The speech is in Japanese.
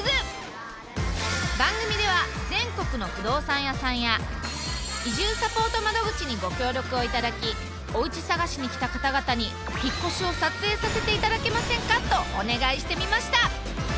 番組では全国の不動産屋さんや移住サポート窓口にご協力をいただきおうち探しに来た方々に「引っ越しを撮影させていただけませんか？」とお願いしてみました。